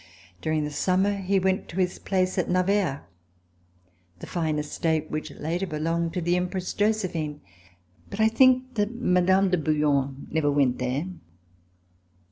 During the summer he went to his place at Navarre, the fine estate which later belonged to the Empress Josephine. But 1 think that Mme. de Bouillon never went there.